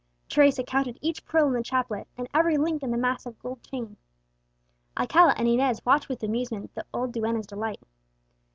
Teresa counted each pearl in the chaplet, and every link in the massive gold chain. Alcala and Inez watched with amusement the old duenna's delight.